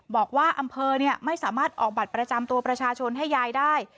บอกว่าอำเภอไม่สามารถออกบัตรประจำตัวประชาชนให้ยายได้